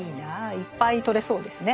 いっぱいとれそうですね。